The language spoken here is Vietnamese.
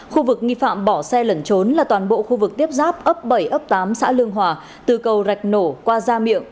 khu vực nghi phạm bỏ xe lẩn trốn là toàn bộ khu vực tiếp giáp ấp bảy ấp tám xã lương hòa từ cầu rạch nổ qua gia miệng